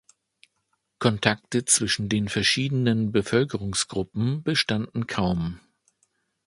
Kontakte zwischen den verschiedenen Bevölkerungsgruppen bestanden kaum.